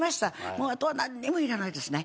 もうあとは何もいらないですね。